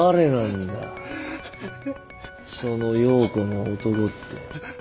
その葉子の男って。